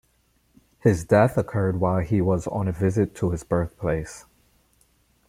His death occurred while he was on a visit to his birthplace.